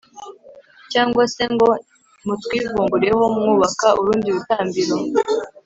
cyangwa se ngo mutwivumbureho mwubaka urundi rutambiro